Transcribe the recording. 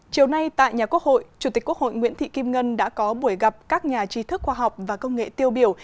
chiều nay tại nhà quốc hội chủ tịch quốc hội nguyễn thị kim ngân đã có buổi gặp các nhà trí thức khoa học và công nghệ tiêu biểu